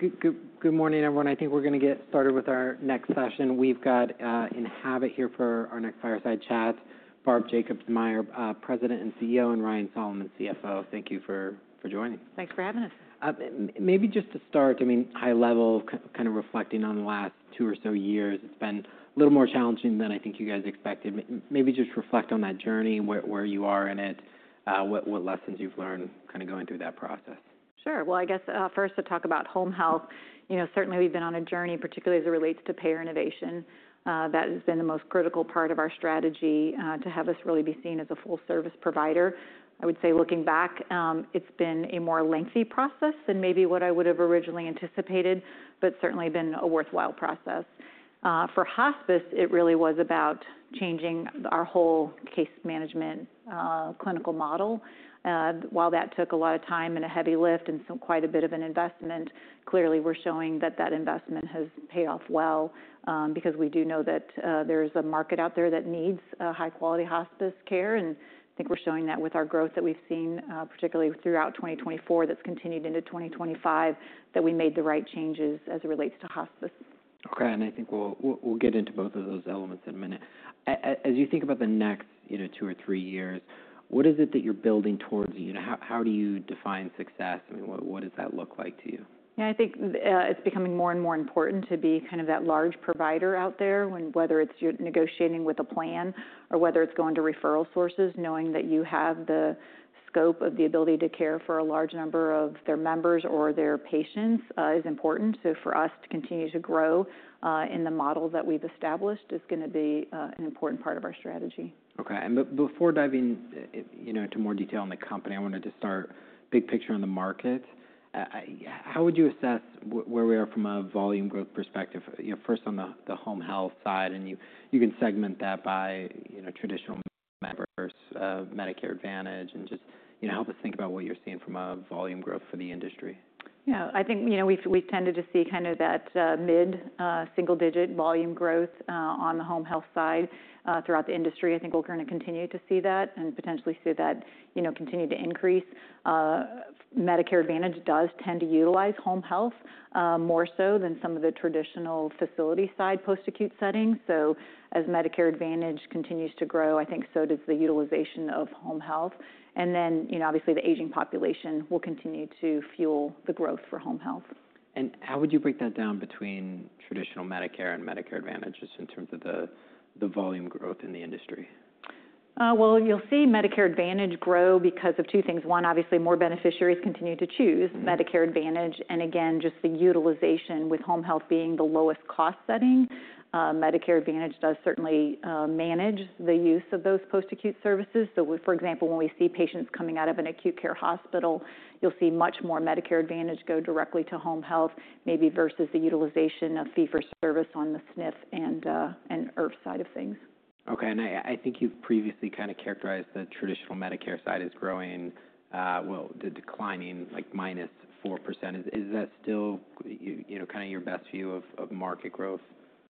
Good morning, everyone. I think we're going to get started with our next session. We've got Enhabit here for our next fireside chat: Barb Jacobsmeyer, President and CEO, and Ryan Solomon, CFO. Thank you for joining. Thanks for having us. Maybe just to start, I mean, high level, kind of reflecting on the last two or so years, it's been a little more challenging than I think you guys expected. Maybe just reflect on that journey, where you are in it, what lessons you've learned kind of going through that process. Sure. I guess first to talk about home health, you know, certainly we've been on a journey, particularly as it relates to payer innovation. That has been the most critical part of our strategy to have us really be seen as a full-service provider. I would say looking back, it's been a more lengthy process than maybe what I would have originally anticipated, but certainly been a worthwhile process. For hospice, it really was about changing our whole case management clinical model. While that took a lot of time and a heavy lift and quite a bit of an investment, clearly we're showing that that investment has paid off well because we do know that there is a market out there that needs high-quality hospice care. I think we're showing that with our growth that we've seen, particularly throughout 2024, that's continued into 2025, that we made the right changes as it relates to hospice. Okay. I think we'll get into both of those elements in a minute. As you think about the next two or three years, what is it that you're building towards? You know, how do you define success? I mean, what does that look like to you? Yeah, I think it's becoming more and more important to be kind of that large provider out there, whether it's you're negotiating with a plan or whether it's going to referral sources, knowing that you have the scope of the ability to care for a large number of their members or their patients is important. For us to continue to grow in the model that we've established is going to be an important part of our strategy. Okay. Before diving into more detail on the company, I wanted to start big picture on the market. How would you assess where we are from a volume growth perspective? You know, first on the home health side, and you can segment that by traditional members, Medicare Advantage, and just, you know, help us think about what you're seeing from a volume growth for the industry. Yeah, I think, you know, we've tended to see kind of that mid-single-digit volume growth on the home health side throughout the industry. I think we're going to continue to see that and potentially see that, you know, continue to increase. Medicare Advantage does tend to utilize home health more so than some of the traditional facility-side post-acute settings. As Medicare Advantage continues to grow, I think so does the utilization of home health. You know, obviously the aging population will continue to fuel the growth for home health. How would you break that down between traditional Medicare and Medicare Advantage just in terms of the volume growth in the industry? You will see Medicare Advantage grow because of two things. One, obviously more beneficiaries continue to choose Medicare Advantage. Again, just the utilization with home health being the lowest cost setting. Medicare Advantage does certainly manage the use of those post-acute services. For example, when we see patients coming out of an acute care hospital, you will see much more Medicare Advantage go directly to home health, maybe versus the utilization of fee-for-service on the SNF and IRF side of things. Okay. I think you've previously kind of characterized the traditional Medicare side as growing, well, declining like -4%. Is that still, you know, kind of your best view of market growth?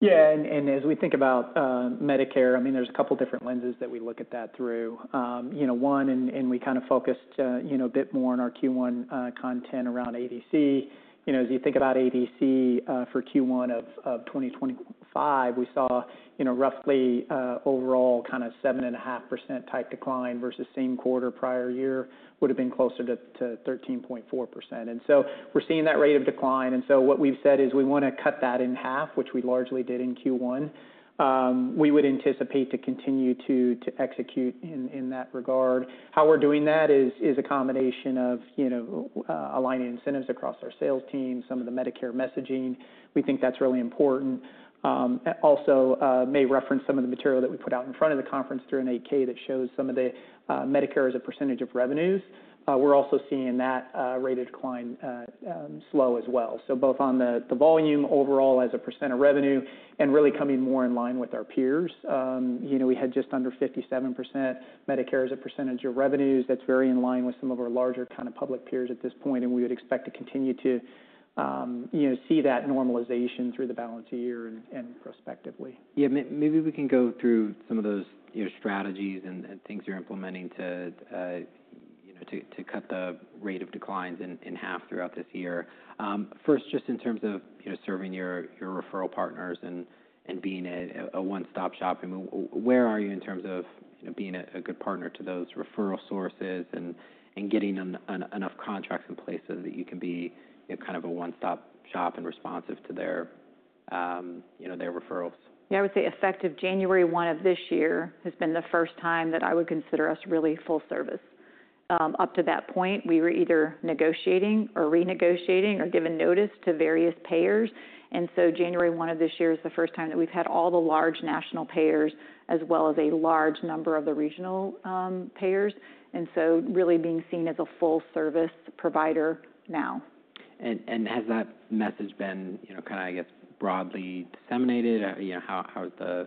Yeah. And as we think about Medicare, I mean, there's a couple different lenses that we look at that through. You know, one, and we kind of focused, you know, a bit more on our Q1 content around ADC. You know, as you think about ADC for Q1 of 2025, we saw, you know, roughly overall kind of 7.5% type decline versus same quarter prior year would have been closer to 13.4%. And so we're seeing that rate of decline. And so what we've said is we want to cut that in half, which we largely did in Q1. We would anticipate to continue to execute in that regard. How we're doing that is a combination of, you know, aligning incentives across our sales team, some of the Medicare messaging. We think that's really important. Also, may reference some of the material that we put out in front of the conference through an 8K that shows some of the Medicare as a percentage of revenues. We're also seeing that rate of decline slow as well. Both on the volume overall as a percent of revenue and really coming more in line with our peers. You know, we had just under 57% Medicare as a percentage of revenues. That's very in line with some of our larger kind of public peers at this point. We would expect to continue to, you know, see that normalization through the balance of year and prospectively. Yeah. Maybe we can go through some of those, you know, strategies and things you're implementing to, you know, to cut the rate of declines in half throughout this year. First, just in terms of, you know, serving your referral partners and being a one-stop shop, I mean, where are you in terms of, you know, being a good partner to those referral sources and getting enough contracts in place so that you can be kind of a one-stop shop and responsive to their, you know, their referrals? Yeah, I would say effective January 1 of this year has been the first time that I would consider us really full service. Up to that point, we were either negotiating or renegotiating or giving notice to various payers. January 1 of this year is the first time that we've had all the large national payers as well as a large number of the regional payers. Really being seen as a full service provider now. Has that message been, you know, kind of, I guess, broadly disseminated? You know, how is the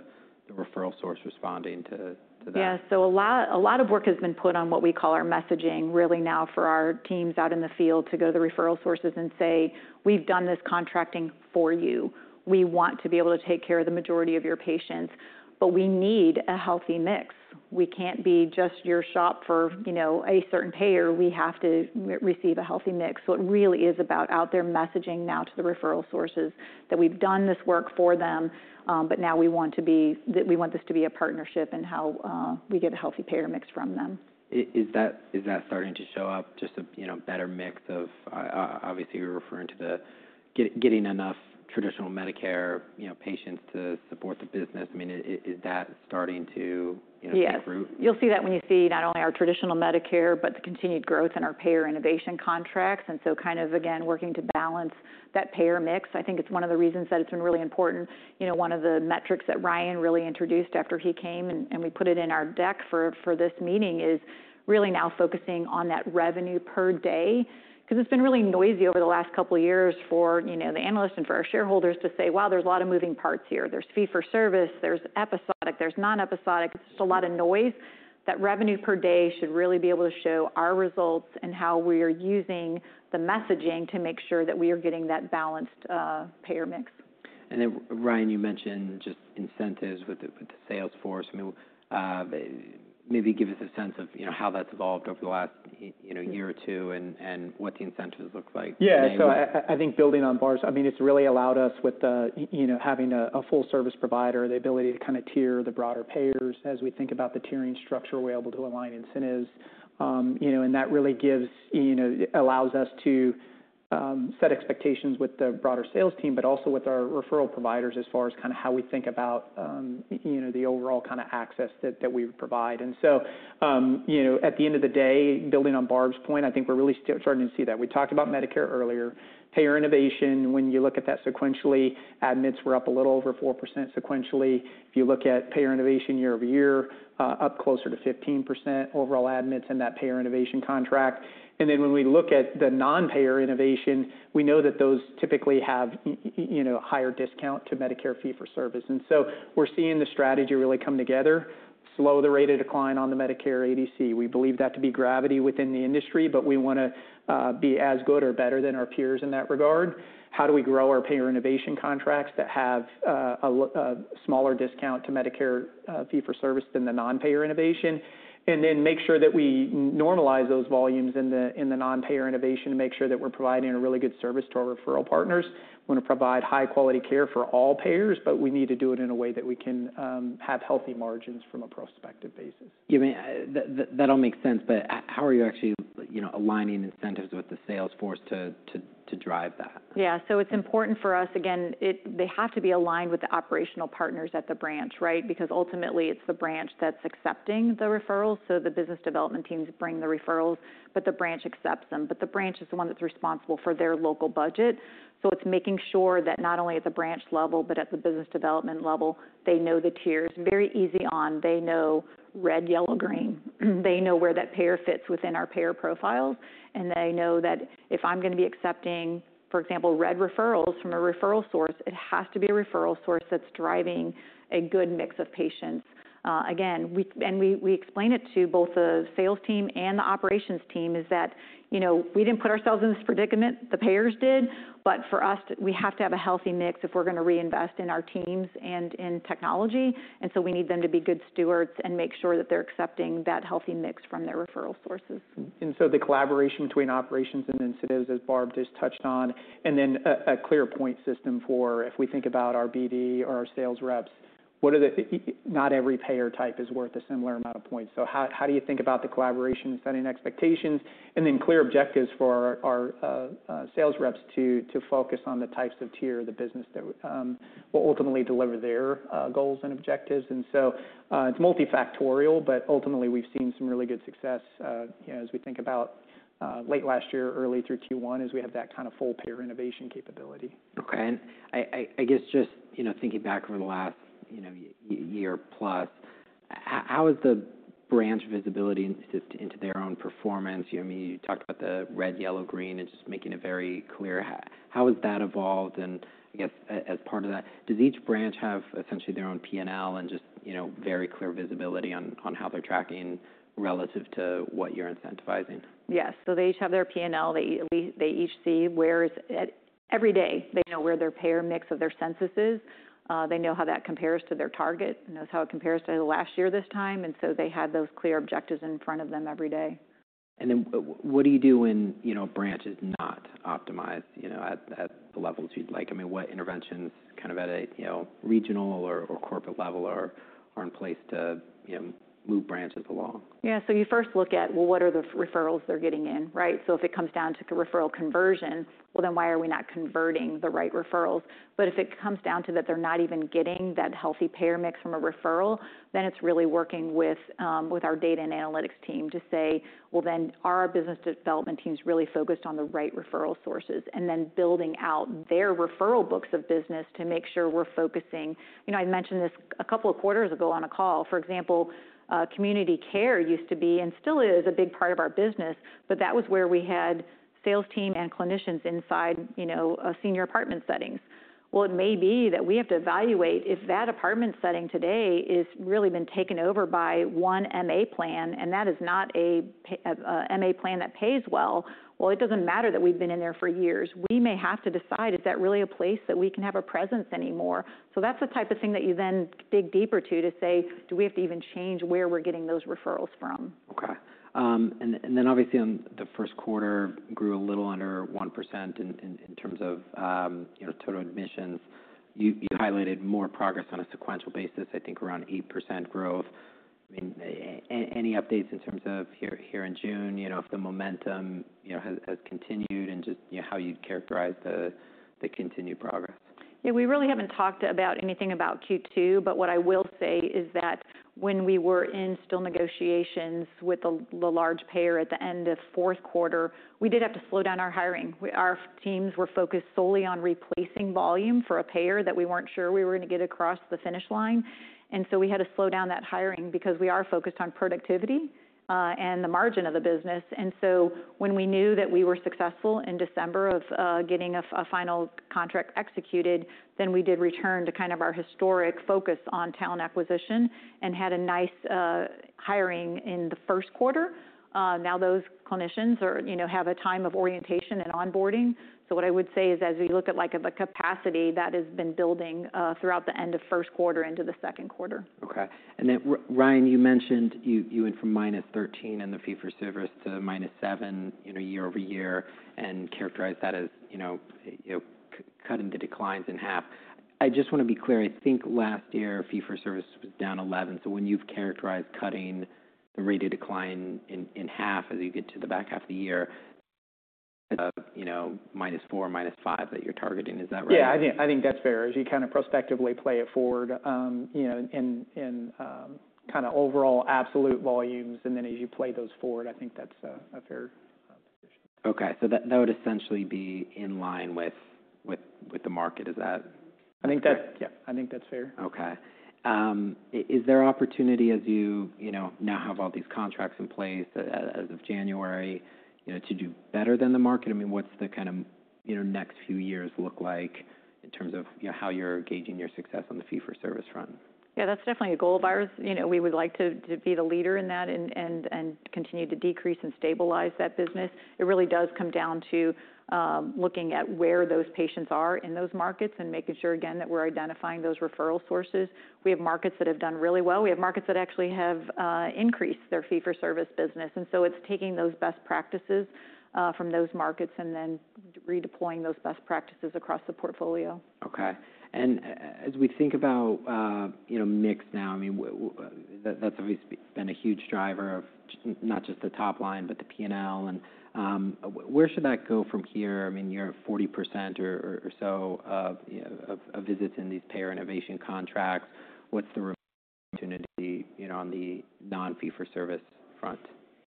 referral source responding to that? Yeah. So a lot of work has been put on what we call our messaging really now for our teams out in the field to go to the referral sources and say, "We've done this contracting for you. We want to be able to take care of the majority of your patients, but we need a healthy mix. We can't be just your shop for, you know, a certain payer. We have to receive a healthy mix." It really is about out there messaging now to the referral sources that we've done this work for them, but now we want this to be a partnership in how we get a healthy payer mix from them. Is that starting to show up just a, you know, better mix of, obviously you're referring to the getting enough traditional Medicare, you know, patients to support the business. I mean, is that starting to, you know, take root? Yeah. You'll see that when you see not only our traditional Medicare, but the continued growth in our payer innovation contracts. And so kind of, again, working to balance that payer mix. I think it's one of the reasons that it's been really important. You know, one of the metrics that Ryan really introduced after he came, and we put it in our deck for this meeting is really now focusing on that revenue per day. Because it's been really noisy over the last couple of years for, you know, the analysts and for our shareholders to say, "Wow, there's a lot of moving parts here. There's fee-for-service, there's episodic, there's non-episodic." It's just a lot of noise. That revenue per day should really be able to show our results and how we are using the messaging to make sure that we are getting that balanced payer mix. Ryan, you mentioned just incentives with the Salesforce. I mean, maybe give us a sense of, you know, how that's evolved over the last, you know, year or two and what the incentives look like. Yeah. I think building on Barb's, I mean, it has really allowed us with the, you know, having a full service provider, the ability to kind of tier the broader payers as we think about the tiering structure. We are able to align incentives, you know, and that really gives, you know, allows us to set expectations with the broader sales team, but also with our referral providers as far as kind of how we think about, you know, the overall kind of access that we provide. At the end of the day, building on Barb's point, I think we are really starting to see that. We talked about Medicare earlier. Payer innovation, when you look at that sequentially, admits are up a little over 4% sequentially. If you look at payer innovation year over year, up closer to 15% overall admits in that payer innovation contract. When we look at the non-payer innovation, we know that those typically have, you know, a higher discount to Medicare fee-for-service. We are seeing the strategy really come together, slow the rate of decline on the Medicare ADC. We believe that to be gravity within the industry, but we want to be as good or better than our peers in that regard. How do we grow our payer innovation contracts that have a smaller discount to Medicare fee-for-service than the non-payer innovation? We need to make sure that we normalize those volumes in the non-payer innovation and make sure that we are providing a really good service to our referral partners. We want to provide high-quality care for all payers, but we need to do it in a way that we can have healthy margins from a prospective basis. You mean that all makes sense, but how are you actually, you know, aligning incentives with the Salesforce to drive that? Yeah. So it's important for us, again, they have to be aligned with the operational partners at the branch, right? Because ultimately it's the branch that's accepting the referrals. The business development teams bring the referrals, but the branch accepts them. The branch is the one that's responsible for their local budget. It's making sure that not only at the branch level, but at the business development level, they know the tiers. Very easy on, they know red, yellow, green. They know where that payer fits within our payer profiles. They know that if I'm going to be accepting, for example, red referrals from a referral source, it has to be a referral source that's driving a good mix of patients. Again, and we explain it to both the sales team and the operations team is that, you know, we didn't put ourselves in this predicament. The payers did. For us, we have to have a healthy mix if we're going to reinvest in our teams and in technology. We need them to be good stewards and make sure that they're accepting that healthy mix from their referral sources. The collaboration between operations and incentives, as Barb just touched on, and then a clear point system for if we think about our BD or our sales reps, not every payer type is worth a similar amount of points. How do you think about the collaboration, setting expectations, and then clear objectives for our sales reps to focus on the types of tier of the business that will ultimately deliver their goals and objectives? It is multifactorial, but ultimately we have seen some really good success, you know, as we think about late last year, early through Q1, as we have that kind of full payer innovation capability. Okay. I guess just, you know, thinking back over the last, you know, year plus, how has the branch visibility into their own performance? You know, I mean, you talked about the red, yellow, green, and just making it very clear. How has that evolved? I guess as part of that, does each branch have essentially their own P&L and just, you know, very clear visibility on how they're tracking relative to what you're incentivizing? Yes. They each have their P&L. They each see where every day they know where their payer mix of their census is. They know how that compares to their target, know how it compares to last year this time. They have those clear objectives in front of them every day. What do you do when, you know, a branch is not optimized, you know, at the levels you'd like? I mean, what interventions kind of at a, you know, regional or corporate level are in place to, you know, move branches along? Yeah. You first look at, well, what are the referrals they're getting in, right? If it comes down to referral conversion, then why are we not converting the right referrals? If it comes down to that they're not even getting that healthy payer mix from a referral, then it's really working with our data and analytics team to say, are our business development teams really focused on the right referral sources? Then building out their referral books of business to make sure we're focusing. You know, I mentioned this a couple of quarters ago on a call. For example, community care used to be and still is a big part of our business, but that was where we had sales team and clinicians inside, you know, senior apartment settings. It may be that we have to evaluate if that apartment setting today has really been taken over by one MA plan, and that is not a MA plan that pays well. It doesn't matter that we've been in there for years. We may have to decide, is that really a place that we can have a presence anymore? That's the type of thing that you then dig deeper to, to say, do we have to even change where we're getting those referrals from? Okay. Obviously on the first quarter, grew a little under 1% in terms of, you know, total admissions. You highlighted more progress on a sequential basis, I think around 8% growth. I mean, any updates in terms of here in June, you know, if the momentum, you know, has continued and just, you know, how you'd characterize the continued progress? Yeah. We really haven't talked about anything about Q2, but what I will say is that when we were in still negotiations with the large payer at the end of fourth quarter, we did have to slow down our hiring. Our teams were focused solely on replacing volume for a payer that we weren't sure we were going to get across the finish line. We had to slow down that hiring because we are focused on productivity and the margin of the business. When we knew that we were successful in December of getting a final contract executed, we did return to kind of our historic focus on talent acquisition and had a nice hiring in the first quarter. Now those clinicians are, you know, have a time of orientation and onboarding. What I would say is as we look at like the capacity that has been building throughout the end of first quarter into the second quarter. Okay. Ryan, you mentioned you went from -13 in the fee-for-service to -7, you know, year-over-year and characterized that as, you know, cutting the declines in half. I just want to be clear. I think last year fee-for-service was down 11. When you've characterized cutting the rate of decline in half as you get to the back half of the year, you know, -4, -5 that you're targeting. Is that right? Yeah. I think that's fair as you kind of prospectively play it forward, you know, in kind of overall absolute volumes. And then as you play those forward, I think that's a fair position. Okay. So that would essentially be in line with the market. Is that? I think that's fair. Okay. Is there opportunity as you, you know, now have all these contracts in place as of January, you know, to do better than the market? I mean, what's the kind of, you know, next few years look like in terms of, you know, how you're gauging your success on the fee-for-service front? Yeah. That's definitely a goal of ours. You know, we would like to be the leader in that and continue to decrease and stabilize that business. It really does come down to looking at where those patients are in those markets and making sure again that we're identifying those referral sources. We have markets that have done really well. We have markets that actually have increased their fee-for-service business. It is taking those best practices from those markets and then redeploying those best practices across the portfolio. Okay. As we think about, you know, mix now, I mean, that's obviously been a huge driver of not just the top line, but the P&L. Where should that go from here? I mean, you're at 40% or so of visits in these payer innovation contracts. What's the opportunity, you know, on the non-fee-for-service front?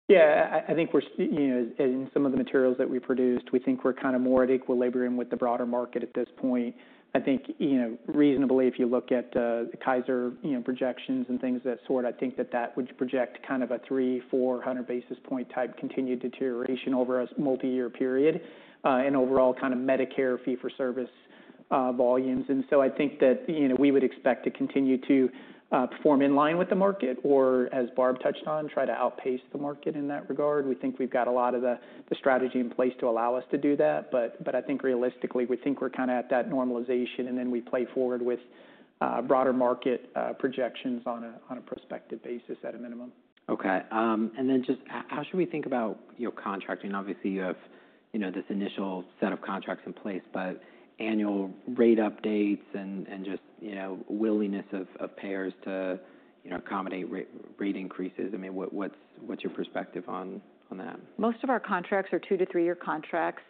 Yeah. I think we're, you know, as in some of the materials that we produced, we think we're kind of more at equilibrium with the broader market at this point. I think, you know, reasonably if you look at Kaiser, you know, projections and things of that sort, I think that that would project kind of a 300-400 basis point type continued deterioration over a multi-year period in overall kind of Medicare fee-for-service volumes. I think that, you know, we would expect to continue to perform in line with the market or, as Barb touched on, try to outpace the market in that regard. We think we've got a lot of the strategy in place to allow us to do that. I think realistically, we think we're kind of at that normalization and then we play forward with broader market projections on a prospective basis at a minimum. Okay. And then just how should we think about, you know, contracting? Obviously, you have, you know, this initial set of contracts in place, but annual rate updates and just, you know, willingness of payers to, you know, accommodate rate increases. I mean, what's your perspective on that? Most of our contracts are two- to three-year contracts.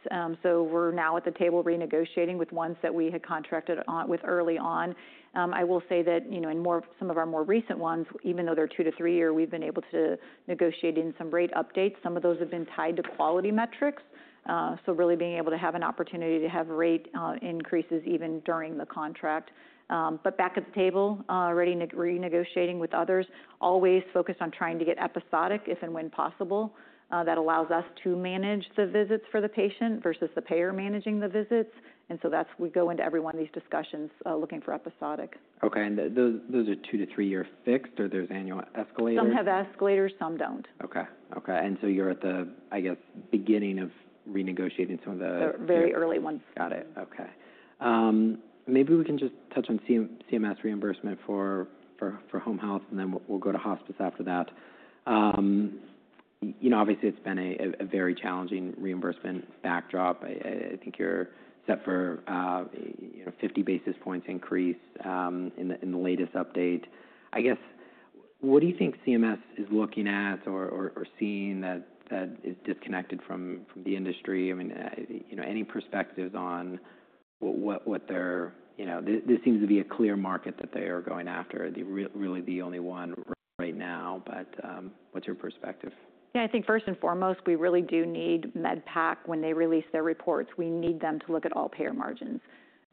So we're now at the table renegotiating with ones that we had contracted with early on. I will say that, you know, in some of our more recent ones, even though they're two- to three-year, we've been able to negotiate in some rate updates. Some of those have been tied to quality metrics. So really being able to have an opportunity to have rate increases even during the contract. But back at the table, already renegotiating with others, always focused on trying to get episodic if and when possible. That allows us to manage the visits for the patient versus the payer managing the visits. And so that's we go into every one of these discussions looking for episodic. Okay. And those are two- to three-year fixed or there's annual escalator? Some have escalators, some don't. Okay. Okay. And so you're at the, I guess, beginning of renegotiating some of the. They're very early ones. Got it. Okay. Maybe we can just touch on CMS reimbursement for home health and then we'll go to hospice after that. You know, obviously it's been a very challenging reimbursement backdrop. I think you're set for, you know, 50 basis points increase in the latest update. I guess, what do you think CMS is looking at or seeing that is disconnected from the industry? I mean, you know, any perspectives on what their, you know, this seems to be a clear market that they are going after. Really the only one right now. What is your perspective? Yeah. I think first and foremost, we really do need MedPAC when they release their reports. We need them to look at all payer margins.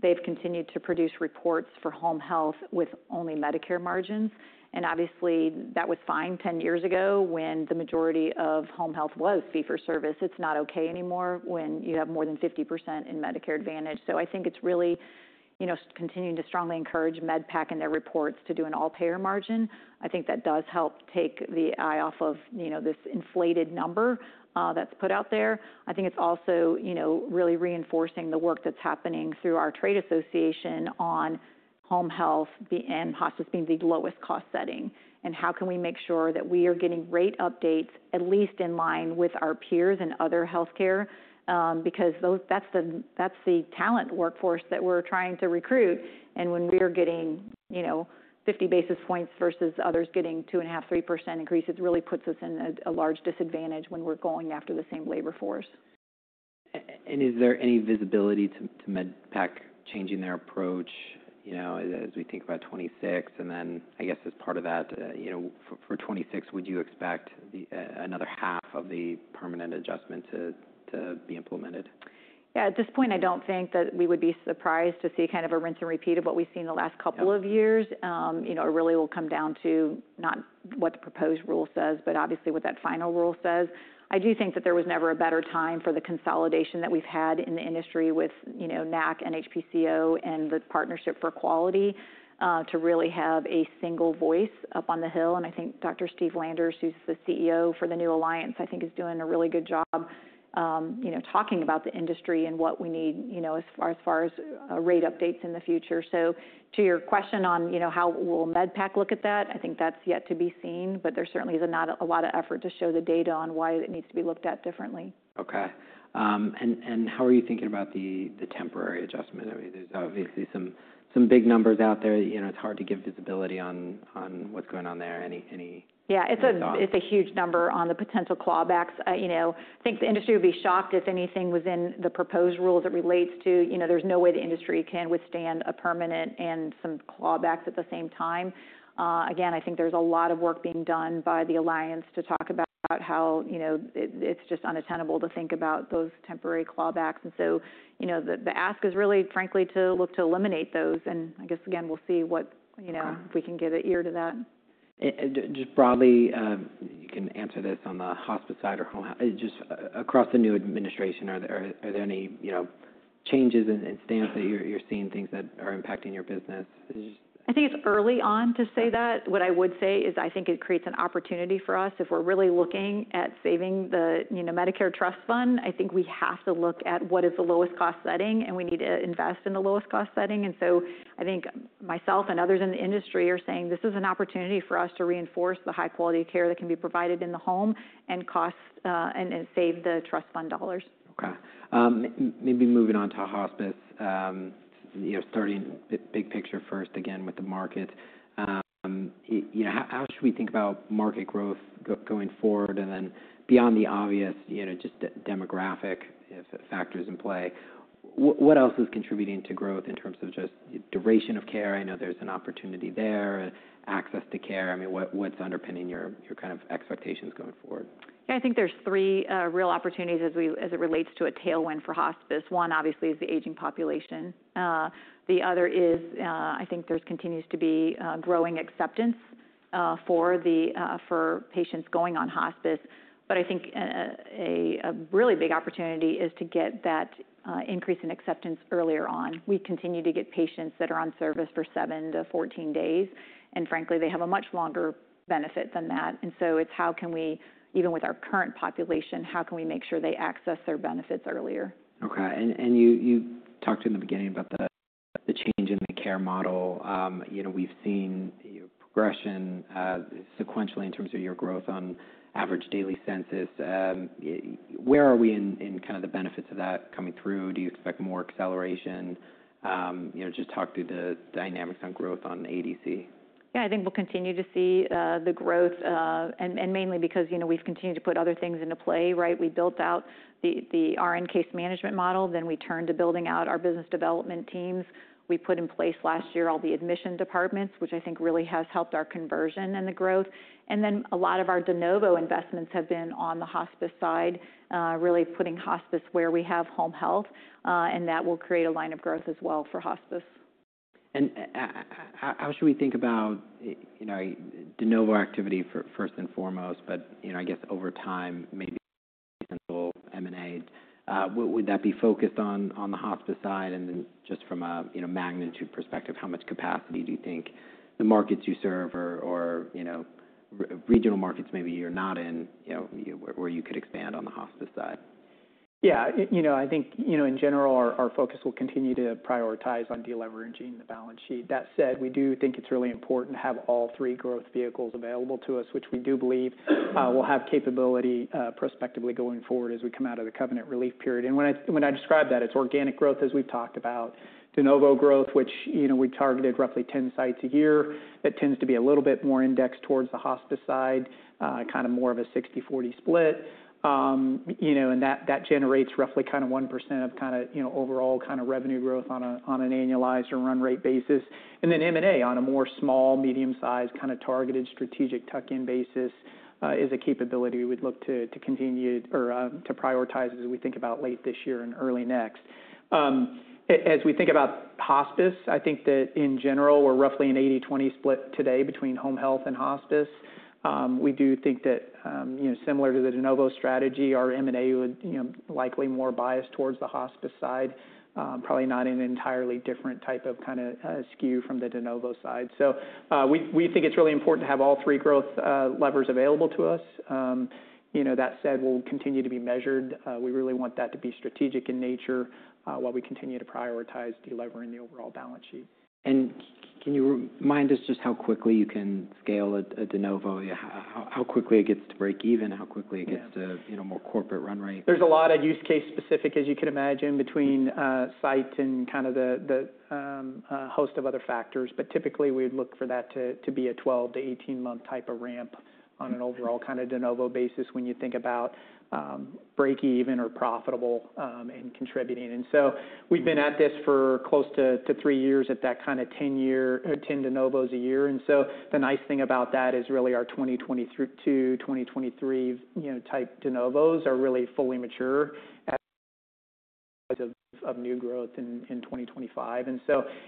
They've continued to produce reports for home health with only Medicare margins. And obviously that was fine 10 years ago when the majority of home health was fee-for-service. It's not okay anymore when you have more than 50% in Medicare Advantage. So I think it's really, you know, continuing to strongly encourage MedPAC in their reports to do an all payer margin. I think that does help take the eye off of, you know, this inflated number that's put out there. I think it's also, you know, really reinforcing the work that's happening through our trade association on home health and hospice being the lowest cost setting. How can we make sure that we are getting rate updates at least in line with our peers and other healthcare? Because that's the talent workforce that we're trying to recruit. And when we are getting, you know, 50 basis points versus others getting 2.5%-3% increase, it really puts us in a large disadvantage when we're going after the same labor force. Is there any visibility to MedPAC changing their approach, you know, as we think about 2026? I guess as part of that, you know, for 2026, would you expect another half of the permanent adjustment to be implemented? Yeah. At this point, I don't think that we would be surprised to see kind of a rinse and repeat of what we've seen the last couple of years. You know, it really will come down to not what the proposed rule says, but obviously what that final rule says. I do think that there was never a better time for the consolidation that we've had in the industry with, you know, NAHC and NHPCO and the partnership for quality to really have a single voice up on the hill. I think Dr. Steve Landers, who's the CEO for the new Alliance, I think is doing a really good job, you know, talking about the industry and what we need, you know, as far as rate updates in the future. To your question on, you know, how will MedPAC look at that? I think that's yet to be seen, but there certainly is not a lot of effort to show the data on why it needs to be looked at differently. Okay. How are you thinking about the temporary adjustment? I mean, there's obviously some big numbers out there. You know, it's hard to give visibility on what's going on there. Any thoughts? Yeah. It's a huge number on the potential clawbacks. You know, I think the industry would be shocked if anything was in the proposed rules that relates to, you know, there's no way the industry can withstand a permanent and some clawbacks at the same time. Again, I think there's a lot of work being done by the alliance to talk about how, you know, it's just unattainable to think about those temporary clawbacks. You know, the ask is really frankly to look to eliminate those. I guess again, we'll see what, you know, if we can get an ear to that. Just broadly, you can answer this on the hospice side or home health, just across the new administration. Are there any, you know, changes in stance that you're seeing, things that are impacting your business? I think it's early on to say that. What I would say is I think it creates an opportunity for us if we're really looking at saving the, you know, Medicare Trust Fund. I think we have to look at what is the lowest cost setting and we need to invest in the lowest cost setting. I think myself and others in the industry are saying this is an opportunity for us to reinforce the high quality of care that can be provided in the home and cost and save the Trust Fund dollars. Okay. Maybe moving on to hospice, you know, starting big picture first again with the market. You know, how should we think about market growth going forward? And then beyond the obvious, you know, just demographic factors in play, what else is contributing to growth in terms of just duration of care? I know there's an opportunity there, access to care. I mean, what's underpinning your kind of expectations going forward? Yeah. I think there's three real opportunities as it relates to a tailwind for hospice. One obviously is the aging population. The other is I think there continues to be growing acceptance for patients going on hospice. I think a really big opportunity is to get that increase in acceptance earlier on. We continue to get patients that are on service for seven to 14 days. And frankly, they have a much longer benefit than that. It is how can we, even with our current population, how can we make sure they access their benefits earlier? Okay. You talked in the beginning about the change in the care model. You know, we've seen progression sequentially in terms of your growth on average daily census. Where are we in kind of the benefits of that coming through? Do you expect more acceleration? You know, just talk through the dynamics on growth on ADC. Yeah. I think we'll continue to see the growth and mainly because, you know, we've continued to put other things into play, right? We built out the RN case management model, then we turned to building out our business development teams. We put in place last year all the admission departments, which I think really has helped our conversion and the growth. A lot of our de novo investments have been on the hospice side, really putting hospice where we have home health. That will create a line of growth as well for hospice. How should we think about, you know, de novo activity first and foremost? But, you know, I guess over time, maybe M&A, would that be focused on the hospice side? And then just from a, you know, magnitude perspective, how much capacity do you think the markets you serve or, you know, regional markets maybe you're not in, you know, where you could expand on the hospice side? Yeah. You know, I think, you know, in general, our focus will continue to prioritize on deleveraging the balance sheet. That said, we do think it's really important to have all three growth vehicles available to us, which we do believe will have capability prospectively going forward as we come out of the Covenant relief period. When I describe that, it's organic growth as we've talked about, de novo growth, which, you know, we targeted roughly 10 sites a year. That tends to be a little bit more indexed towards the hospice side, kind of more of a 60/40 split. You know, and that generates roughly kind of 1% of kind of, you know, overall kind of revenue growth on an annualized or run rate basis. M&A on a more small, medium-sized kind of targeted strategic tuck-in basis is a capability we'd look to continue or to prioritize as we think about late this year and early next. As we think about hospice, I think that in general, we're roughly in an 80/20 split today between home health and hospice. We do think that, you know, similar to the de novo strategy, our M&A would, you know, likely more biased towards the hospice side, probably not an entirely different type of kind of skew from the de novo side. We think it's really important to have all three growth levers available to us. You know, that said, we'll continue to be measured. We really want that to be strategic in nature while we continue to prioritize delivering the overall balance sheet. Can you remind us just how quickly you can scale a de novo? How quickly it gets to break even? How quickly it gets to, you know, more corporate run rate? There's a lot of use case specific, as you can imagine, between site and kind of the host of other factors. Typically, we would look for that to be a 12-18 month type of ramp on an overall kind of de novo basis when you think about break even or profitable and contributing. We've been at this for close to three years at that kind of 10 de novos a year. The nice thing about that is really our 2022, 2023, you know, type de novos are really fully mature as of new growth in 2025.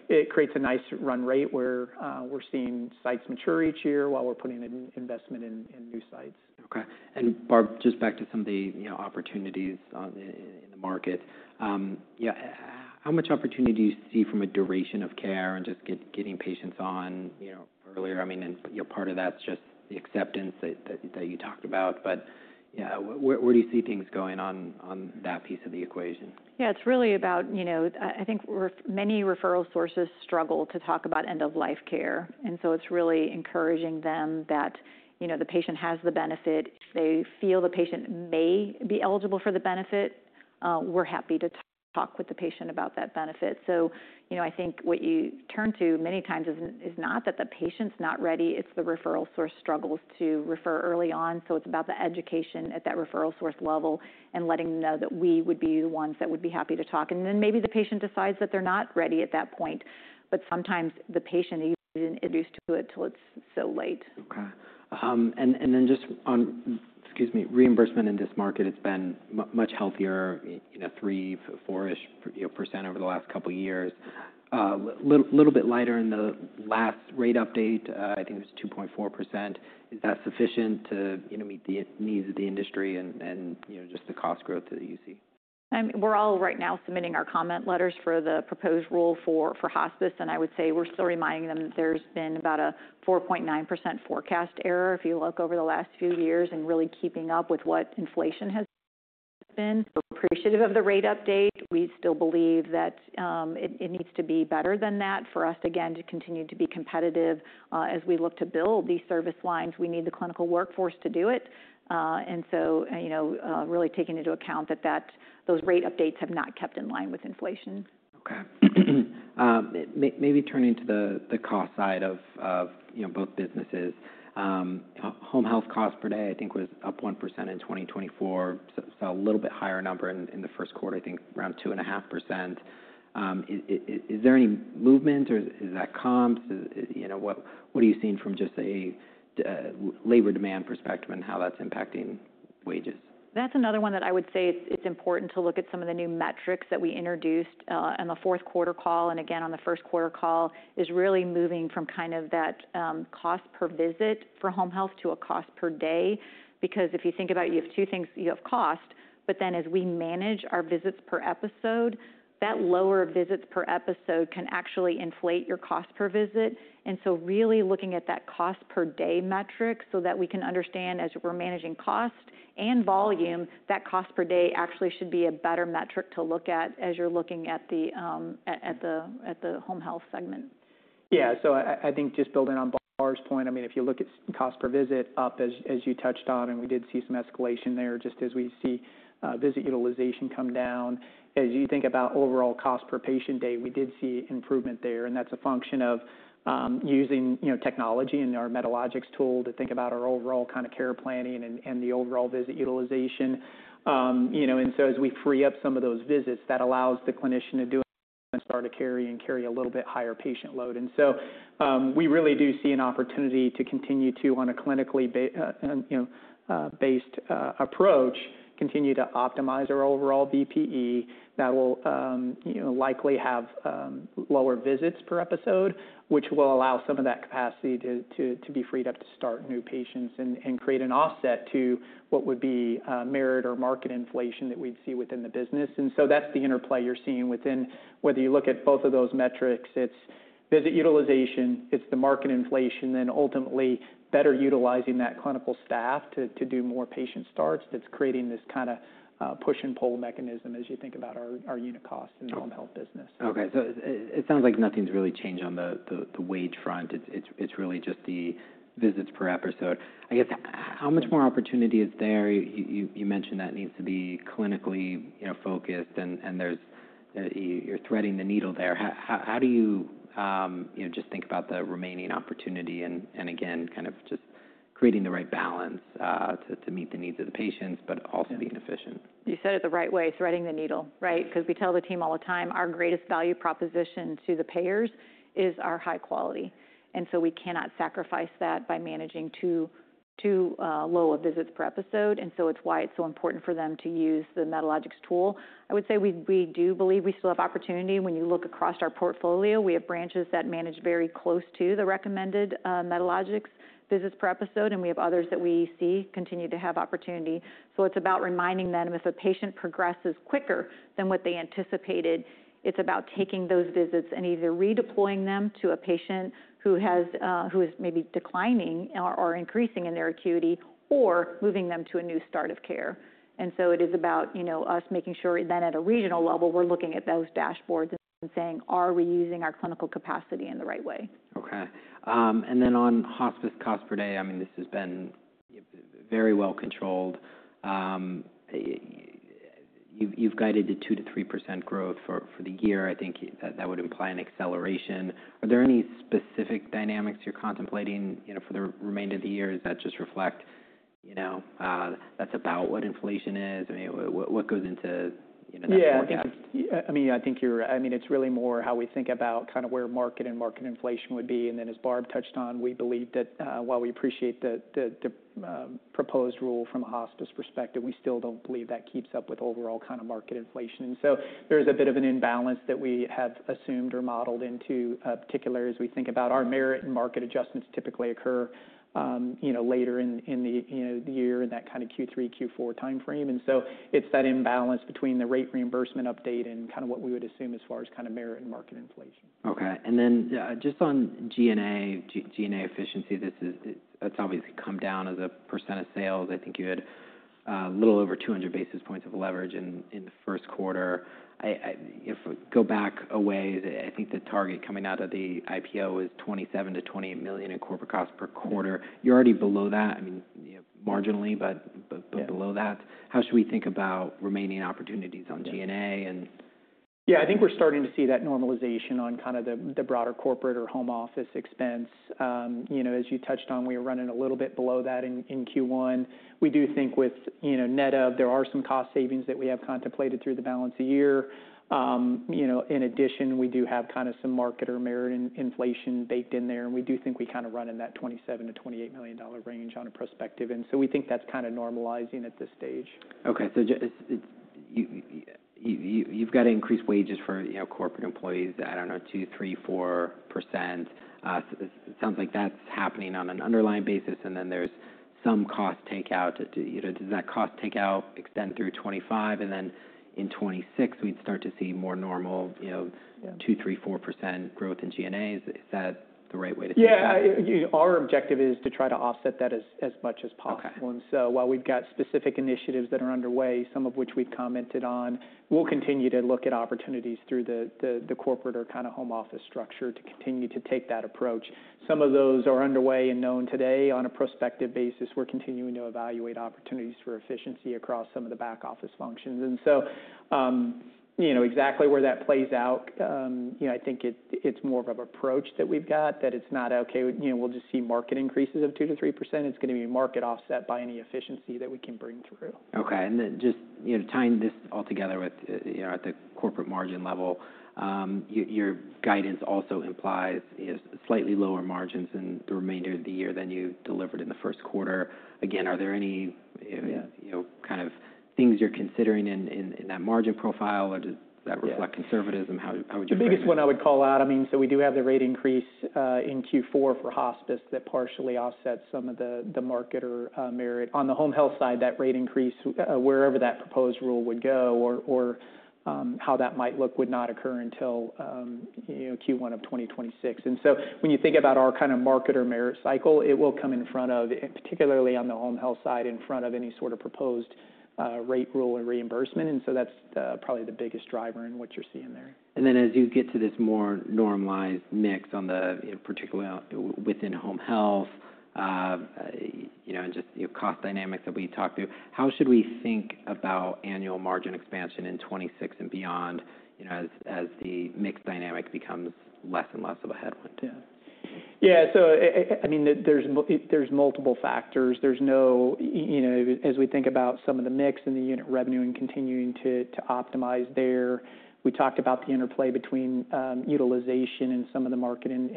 It creates a nice run rate where we're seeing sites mature each year while we're putting an investment in new sites. Okay. Barb, just back to some of the, you know, opportunities in the market. You know, how much opportunity do you see from a duration of care and just getting patients on, you know, earlier? I mean, and you know, part of that's just the acceptance that you talked about. Yeah, where do you see things going on that piece of the equation? Yeah. It's really about, you know, I think many referral sources struggle to talk about end-of-life care. It's really encouraging them that, you know, the patient has the benefit. They feel the patient may be eligible for the benefit. We're happy to talk with the patient about that benefit. You know, I think what you turn to many times is not that the patient's not ready. It's the referral source struggles to refer early on. It's about the education at that referral source level and letting them know that we would be the ones that would be happy to talk. Maybe the patient decides that they're not ready at that point. Sometimes the patient isn't introduced to it till it's so late. Okay. And then just on, excuse me, reimbursement in this market, it's been much healthier, you know, 3%-4% over the last couple of years. A little bit lighter in the last rate update, I think it was 2.4%. Is that sufficient to, you know, meet the needs of the industry and, you know, just the cost growth that you see? We're all right now submitting our comment letters for the proposed rule for hospice. I would say we're still reminding them that there's been about a 4.9% forecast error if you look over the last few years and really keeping up with what inflation has been. We're appreciative of the rate update. We still believe that it needs to be better than that for us again to continue to be competitive as we look to build these service lines. We need the clinical workforce to do it. You know, really taking into account that those rate updates have not kept in line with inflation. Okay. Maybe turning to the cost side of, you know, both businesses. Home health cost per day, I think, was up 1% in 2024. So a little bit higher number in the first quarter, I think around 2.5%. Is there any movement or is that comps? You know, what are you seeing from just a labor demand perspective and how that's impacting wages? That's another one that I would say it's important to look at some of the new metrics that we introduced in the fourth quarter call and again on the first quarter call is really moving from kind of that cost per visit for home health to a cost per day. Because if you think about it, you have two things. You have cost, but then as we manage our visits per episode, that lower visits per episode can actually inflate your cost per visit. And so really looking at that cost per day metric so that we can understand as we're managing cost and volume, that cost per day actually should be a better metric to look at as you're looking at the home health segment. Yeah. So I think just building on Barb's point, I mean, if you look at cost per visit up as you touched on, and we did see some escalation there just as we see visit utilization come down. As you think about overall cost per patient day, we did see improvement there. And that's a function of using, you know, technology and our MediLogix tool to think about our overall kind of care planning and the overall visit utilization. You know, and so as we free up some of those visits, that allows the clinician to do it and start to carry and carry a little bit higher patient load. And so we really do see an opportunity to continue to, on a clinically based, you know, approach, continue to optimize our overall VPE. That will, you know, likely have lower visits per episode, which will allow some of that capacity to be freed up to start new patients and create an offset to what would be merit or market inflation that we'd see within the business. That is the interplay you're seeing within whether you look at both of those metrics, it's visit utilization, it's the market inflation, then ultimately better utilizing that clinical staff to do more patient starts. That is creating this kind of push and pull mechanism as you think about our unit cost in the home health business. Okay. So it sounds like nothing's really changed on the wage front. It's really just the visits per episode. I guess how much more opportunity is there? You mentioned that needs to be clinically, you know, focused and you're threading the needle there. How do you, you know, just think about the remaining opportunity and again, kind of just creating the right balance to meet the needs of the patients, but also being efficient? You said it the right way, threading the needle, right? Because we tell the team all the time, our greatest value proposition to the payers is our high quality. We cannot sacrifice that by managing too low a visits per episode. It is why it is so important for them to use the MediLogix tool. I would say we do believe we still have opportunity. When you look across our portfolio, we have branches that manage very close to the recommended MediLogix visits per episode, and we have others that we see continue to have opportunity. It is about reminding them if a patient progresses quicker than what they anticipated, it is about taking those visits and either redeploying them to a patient who is maybe declining or increasing in their acuity or moving them to a new start of care. It is about, you know, us making sure then at a regional level, we're looking at those dashboards and saying, are we using our clinical capacity in the right way? Okay. And then on hospice cost per day, I mean, this has been very well controlled. You've guided to 2%-3% growth for the year. I think that would imply an acceleration. Are there any specific dynamics you're contemplating, you know, for the remainder of the year? Is that just reflect, you know, that's about what inflation is? I mean, what goes into that forecast? Yeah. I mean, I think you're, I mean, it's really more how we think about kind of where market and market inflation would be. And then as Barb touched on, we believe that while we appreciate the proposed rule from a hospice perspective, we still don't believe that keeps up with overall kind of market inflation. There is a bit of an imbalance that we have assumed or modeled into, particularly as we think about our merit and market adjustments typically occur, you know, later in the, you know, the year in that kind of Q3, Q4 timeframe. It is that imbalance between the rate reimbursement update and kind of what we would assume as far as kind of merit and market inflation. Okay. And then just on G&A, G&A efficiency, that's obviously come down as a percent of sales. I think you had a little over 200 basis points of leverage in the first quarter. If we go back a ways, I think the target coming out of the IPO is $27 million-$28 million in corporate cost per quarter. You're already below that, I mean, you know, marginally, but below that. How should we think about remaining opportunities on G&A and? Yeah. I think we're starting to see that normalization on kind of the broader corporate or home office expense. You know, as you touched on, we were running a little bit below that in Q1. We do think with, you know, net of, there are some cost savings that we have contemplated through the balance of the year. You know, in addition, we do have kind of some market or merit inflation baked in there. And we do think we kind of run in that $27 million-$28 million range on a prospective. And so we think that's kind of normalizing at this stage. Okay. So you've got to increase wages for, you know, corporate employees at, I don't know, 2%-3%-4%. It sounds like that's happening on an underlying basis. And then there's some cost takeout. You know, does that cost takeout extend through 2025? And then in 2026, we'd start to see more normal, you know, 2%-3%-4% growth in G&A. Is that the right way to think about it? Yeah. Our objective is to try to offset that as much as possible. And so while we've got specific initiatives that are underway, some of which we've commented on, we'll continue to look at opportunities through the corporate or kind of home office structure to continue to take that approach. Some of those are underway and known today. On a prospective basis, we're continuing to evaluate opportunities for efficiency across some of the back office functions. And so, you know, exactly where that plays out, you know, I think it's more of an approach that we've got that it's not, okay, you know, we'll just see market increases of 2%-3%. It's going to be market offset by any efficiency that we can bring through. Okay. And then just, you know, tying this all together with, you know, at the corporate margin level, your guidance also implies slightly lower margins in the remainder of the year than you delivered in the first quarter. Again, are there any, you know, kind of things you're considering in that margin profile or does that reflect conservatism? How would you? The biggest one I would call out, I mean, so we do have the rate increase in Q4 for hospice that partially offsets some of the market or merit. On the home health side, that rate increase, wherever that proposed rule would go or how that might look, would not occur until, you know, Q1 of 2026. And when you think about our kind of market or merit cycle, it will come in front of, particularly on the home health side, in front of any sort of proposed rate rule or reimbursement. That is probably the biggest driver in what you're seeing there. As you get to this more normalized mix on the, you know, particularly within home health, you know, and just, you know, cost dynamics that we talked to, how should we think about annual margin expansion in 2026 and beyond, you know, as the mix dynamic becomes less and less of a headwind to it? Yeah. So I mean, there's multiple factors. There's no, you know, as we think about some of the mix in the unit revenue and continuing to optimize there, we talked about the interplay between utilization and some of the market and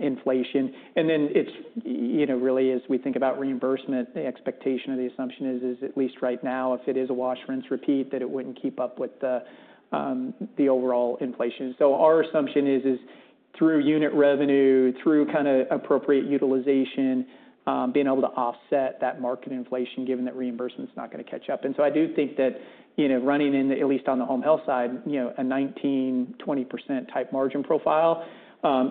inflation. And then it's, you know, really as we think about reimbursement, the expectation or the assumption is, at least right now, if it is a wash, rinse, repeat, that it wouldn't keep up with the overall inflation. So our assumption is, through unit revenue, through kind of appropriate utilization, being able to offset that market inflation given that reimbursement's not going to catch up. I do think that, you know, running in, at least on the home health side, you know, a 19%-20% type margin profile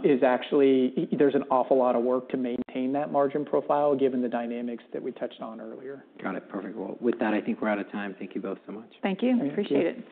is actually, there's an awful lot of work to maintain that margin profile given the dynamics that we touched on earlier. Got it. Perfect. With that, I think we're out of time. Thank you both so much. Thank you. Appreciate it.